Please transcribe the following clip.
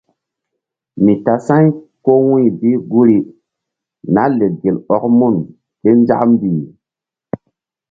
Mi tasa̧y ko wu̧y bi guri Nah lek gel ɔk mun ké nzak mbih.